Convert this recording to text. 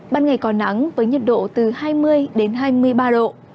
ban ngày có nắng với nhiệt độ từ hai mươi đến hai mươi ba độ